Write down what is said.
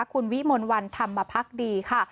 คุณวิมนต์วันทำมาพักดีค่ะ